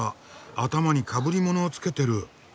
頭にかぶり物をつけてる。